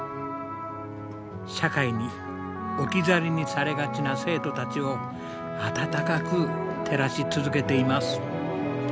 社会に置き去りにされがちな生徒たちを温かく照らし続けています。